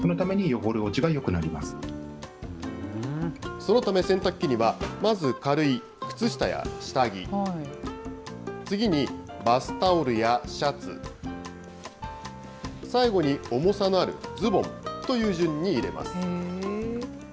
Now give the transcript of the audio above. そのため、洗濯機にはまず軽い靴下や下着、次にバスタオルやシャツ、最後に重さのあるズボンという順に入れます。